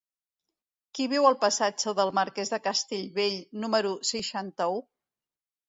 Qui viu al passatge del Marquès de Castellbell número seixanta-u?